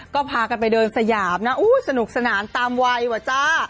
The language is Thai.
ก็พากันไปเดินสยามนะสนุกสนานตามวัยว่ะจ้า